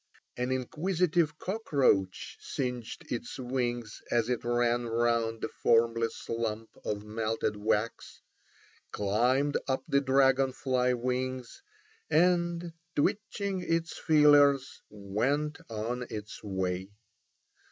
An inquisitive cockroach singed its wings as it ran round the formless lump of melted wax, climbed up the dragon fly wings, and twitching its feelers went on its way.